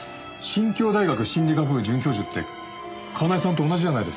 新京大学心理学部准教授って叶絵さんと同じじゃないですか。